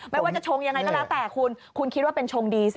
ไม่ว่าจะชงยังไงก็แล้วแต่คุณคุณคิดว่าเป็นชงดีสิ